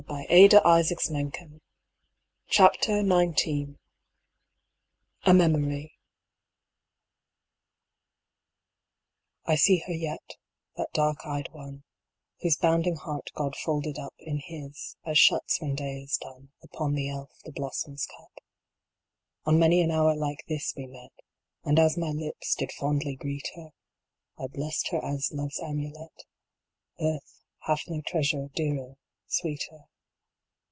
O Bards 1 is this all ? A MEMORY. T SEE her yet, that dark eyed one, Whose bounding heart God folded up In His, as shuts when day is done, Upon the elf the blossom s cup. On many an hour like this we met, And as my lips did fondly greet her, I blessed her as love s amulet : Earth hath no treasure, dearer, sweeter.